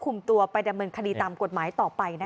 คุมตัวไปดำเนินคดีตามกฎหมายต่อไป